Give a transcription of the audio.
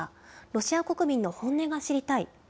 ロシア国民の本音が知りたい。